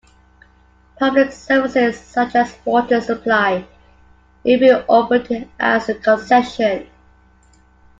Public services such as water supply may be operated as a concession.